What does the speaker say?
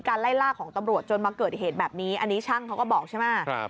ไล่ล่าของตำรวจจนมาเกิดเหตุแบบนี้อันนี้ช่างเขาก็บอกใช่ไหม